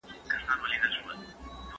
حقيقي ملي عايد د توليد سويو اجناسو مقدار دی.